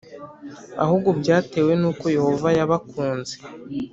Ahubwo byatewe n uko Yehova yabakunze